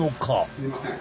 すみません